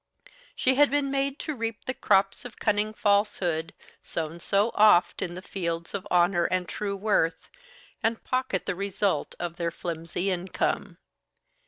She had been made to reap the crops of cunning falsehood, sown so oft in the fields of honour and true worth, and pocket the result of their flimsy income.